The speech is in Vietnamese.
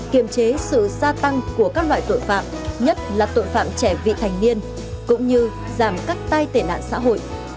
kiềm chế sự gia tăng của các loại tội phạm nhất là tội phạm trẻ vị thành niên cũng như giảm cắt tay tể nạn xã hội